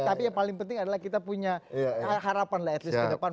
tapi yang paling penting adalah kita punya harapan lah at least ke depan